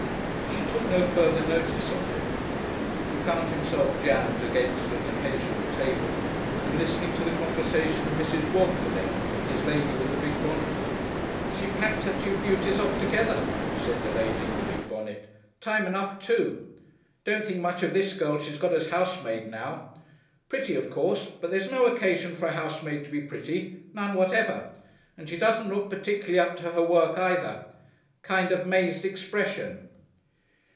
She took no further notice of him. He found himself jammed against an occasional table and listening to the conversation of Mrs. "Wogdelenk" and his lady with the big bonnet. "She packed her two beauties off together," said the lady in the big bonnet. "Time enough, too. Don't think much of this girl; she's got as housemaid now. Pretty, of course, but there's no occasion for a housemaid to be pretty none whatever. And she doesn't look particularly up to her work either. Kind of 'mazed expression."